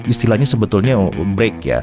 istilahnya sebetulnya break ya